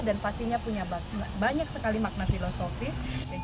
dan pastinya punya banyak sekali makna filosofis